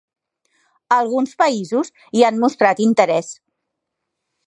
Alguns països hi han mostrat interès.